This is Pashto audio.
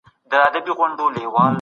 مهرباني وکړئ منظم اوسئ.